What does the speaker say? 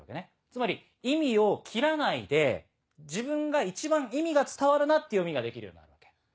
つまり意味を切らないで自分が一番意味が伝わるなって読みができるようになるわけ。